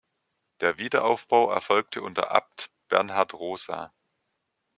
Der Wiederaufbau erfolgte unter Abt Bernhard Rosa.